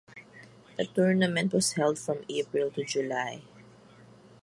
The tournament was held from April to July.